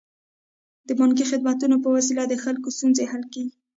د بانکي خدمتونو په وسیله د خلکو ستونزې حل کیږي.